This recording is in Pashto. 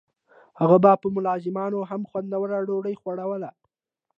هغه به په ملازمانو هم خوندوره ډوډۍ خوړوله.